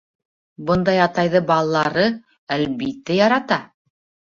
Бындай атайҙы балалары, әлбиттә, ярата.